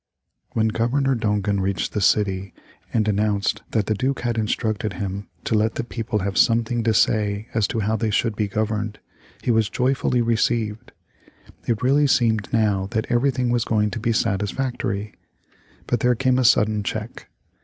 When Governor Dongan reached the city and announced that the Duke had instructed him to let the people have something to say as to how they should be governed, he was joyfully received. It really seemed now that everything was going to be satisfactory. But there came a sudden check.